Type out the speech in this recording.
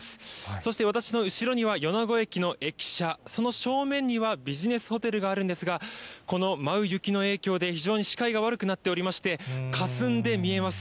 そして私の後ろには、米子駅の駅舎、その正面にはビジネスホテルがあるんですが、この舞う雪の影響で、非常に視界が悪くなっておりまして、かすんで見えます。